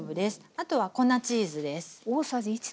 あとは粉チーズです。